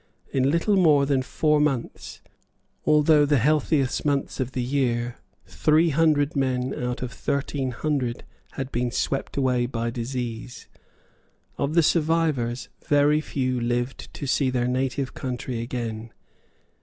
In little more than four months, although the healthiest months of the year, three hundred men out of thirteen hundred had been swept away by disease. Of the survivors very few lived to see their native country again.